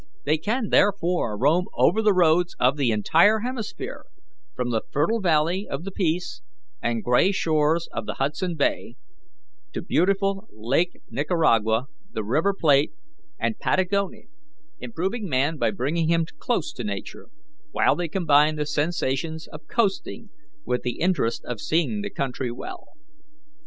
They can therefore roam over the roads of the entire hemisphere, from the fertile valley of the Peace and grey shores of Hudson Bay, to beautiful Lake Nicaragua, the River Plate, and Patagonia, improving man by bringing him close to Nature, while they combine the sensations of coasting with the interest of seeing the country well.